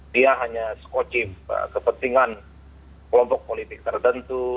dia hanya skoci kepentingan kelompok politik tertentu